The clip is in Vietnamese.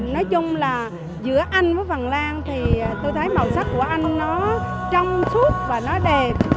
nói chung là giữa anh với phần lan thì tôi thấy màu sắc của anh nó trong suốt và nó đẹp